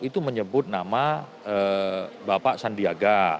itu menyebut nama bapak sandiaga